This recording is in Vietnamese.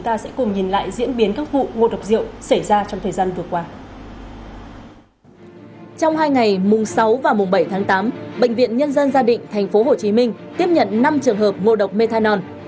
trong hai ngày mùng sáu và mùng bảy tháng tám bệnh viện nhân dân gia định tp hcm tiếp nhận năm trường hợp ngộ độc methanol